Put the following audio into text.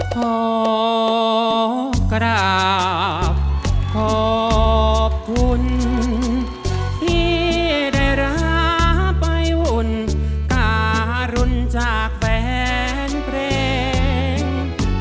ขอกราบขอบคุณที่ได้รับไปวุ่นการุณจากแฟนเพลง